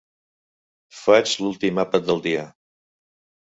Faig l'últim àpat del dia.